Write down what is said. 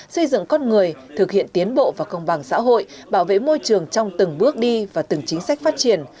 xây dựng con người thực hiện tiến bộ và công bằng xã hội bảo vệ môi trường trong từng bước đi và từng chính sách phát triển